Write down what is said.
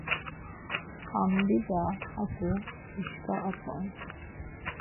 Ham dida haǩu dişǩa aton.